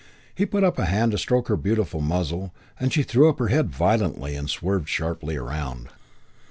He put up a hand to stroke her beautiful muzzle and she threw up her head violently and swerved sharply around.